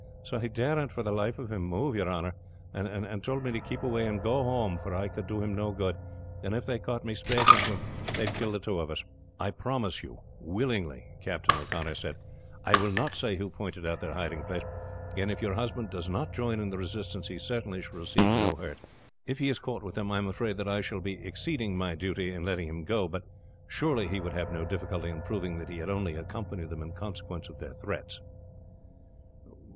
So he daren't for the life of him move, your honor; and tould me to keep away and go home, for I could do him no good, and if they caught me spaking to him they would kill the two of us." "I promise you willingly," Captain O'Connor said, "I will not say who pointed out their hiding place, and if your husband does not join in the resistance he certainly shall receive no hurt. If he is caught with them I am afraid that I shall be exceeding my duty in letting him go; but surely he would have no difficulty in proving that he had only accompanied them in consequence of their threats."